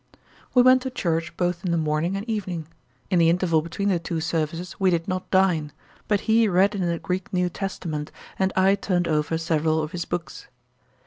We went to church both in the morning and evening. In the interval between the two services we did not dine; but he read in the Greek New Testament, and I turned over several of his books.